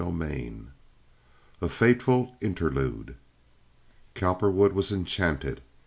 CHAPTER XVI. A Fateful Interlude Cowperwood was enchanted.